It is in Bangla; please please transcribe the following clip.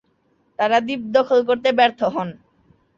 তারা দ্বীপ দখল করতে ব্যর্থ হন।